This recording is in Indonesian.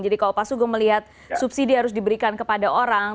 jadi kalau pak sugeng melihat subsidi harus diberikan kepada orang